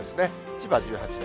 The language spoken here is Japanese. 千葉１８度。